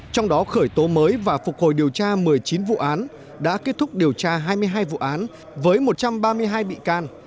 trong đó khởi tố mới và phục hồi điều tra một mươi chín vụ án đã kết thúc điều tra hai mươi hai vụ án với một trăm ba mươi hai bị can